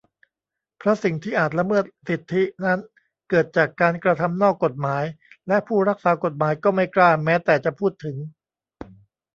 เพราะสิ่งที่อาจละเมิดสิทธินั้นเกิดจากการกระทำนอกกฎหมาย และผู้รักษากฎหมายก็ไม่กล้าแม้แต่จะพูดถึง